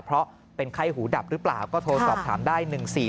เพราะเป็นไข้หูดับหรือเปล่าก็โทรสอบถามได้๑๔๔